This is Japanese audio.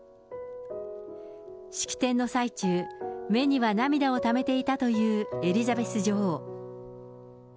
式典の最中、目には涙をためていたというエリザベス女王。